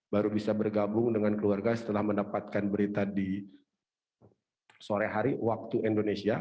baru bisa bergabung dengan keluarga setelah mendapatkan berita di sore hari waktu indonesia